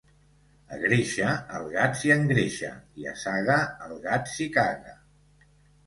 A Gréixer el gat s'hi engreixa i a Saga el gat s'hi caga.